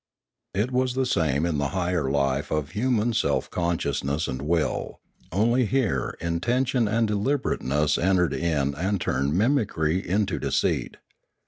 It was the same in the higher life of human self consciousness and will; only here intention and de liber at eness entered in and turned mimicry into deceit.